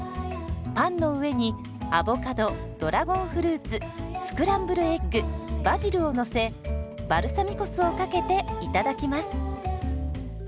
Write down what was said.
パンの上にアボカドドラゴンフルーツスクランブルエッグバジルをのせバルサミコ酢をかけていただきます。